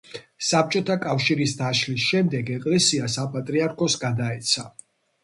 საბჭოთა კავშირის დაშლის შემდეგ ეკლესია საპატრიარქოს გადაეცა.